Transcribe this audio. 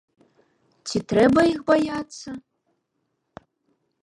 Ці трэба іх баяцца?